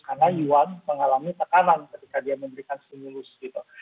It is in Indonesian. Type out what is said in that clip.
karena yuan mengalami tekanan ketika dia memberikan stimulus gitu